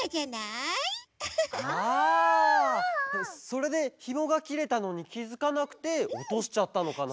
それでひもがきれたのにきづかなくておとしちゃったのかな？